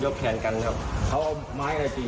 แขนกันครับเขาเอาไม้อะไรตี